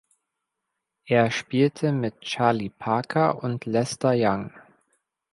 Er spielte mit Charlie Parker und Lester Young.